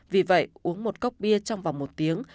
vì vậy uống một cốc bia trong vòng một tiếng